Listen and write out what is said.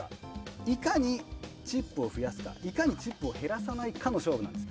いかにチップを増やすかチップを減らさないかの勝負なんです。